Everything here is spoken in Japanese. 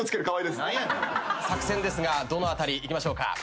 作戦ですがどの辺りいきましょうか？